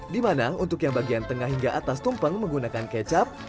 di mana untuk yang bagian tengah hingga atas tumpeng menggunakan kecap